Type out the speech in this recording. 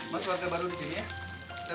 mas waktu baru disini ya